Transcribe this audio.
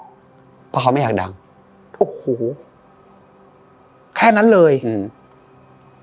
เพราะเขาไม่อยากดังโอ้โหแค่นั้นเลยอืม